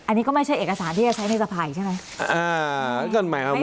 อันนี้ก็ไม่ใช่เอกสารที่จะใช้ในสภายใช่ไหม